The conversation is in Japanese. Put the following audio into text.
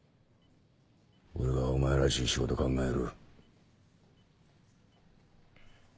俺がお前らしい仕事考える。